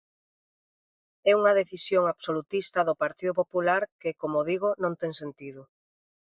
É unha decisión absolutista do Partido Popular que, como digo, non ten sentido.